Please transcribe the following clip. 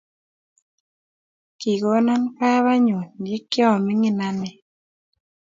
Kikona babat nyun yikia minig ane